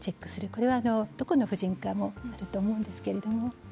これはどこの婦人科でもあると思うんですけれど。